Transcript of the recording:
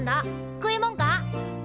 食いもんか？